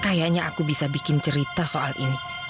kayaknya aku bisa bikin cerita soal ini